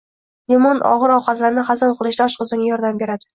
Limon og‘ir ovqatlarni hazm qilishda oshqozonga yordam beradi.